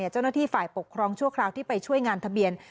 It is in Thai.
เจ้าหน้าที่ฝ่ายปกครองชั่วคราวที่ไปช่วยงานทะเบียน